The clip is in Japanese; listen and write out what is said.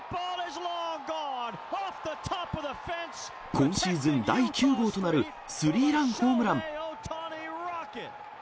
今シーズン第９号となるスリーランホームラン。